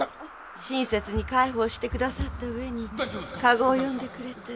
親切に介抱して下さったうえに駕籠を呼んでくれて。